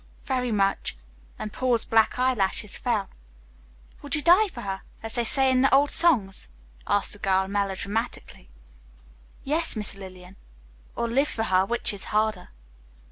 "Very much," and Paul's black eyelashes fell. "Would you die for her, as they say in the old songs?" asked the girl, melodramatically. "Yes, Miss Lillian, or live for her, which is harder."